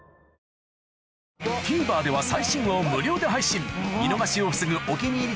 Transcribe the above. ＴＶｅｒでは最新話を無料で配信見逃しを防ぐ「お気に入り」